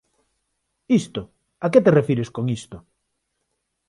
Isto? A que te refires con isto?